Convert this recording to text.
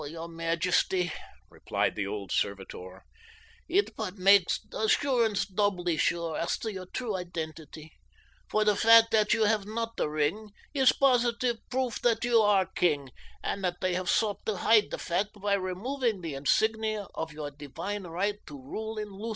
"Ah, no, your majesty," replied the old servitor; "it but makes assurance doubly sure as to your true identity, for the fact that you have not the ring is positive proof that you are king and that they have sought to hide the fact by removing the insignia of your divine right to rule in Lutha."